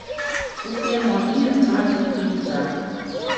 Dat kin oant ien en tweintich juny ta.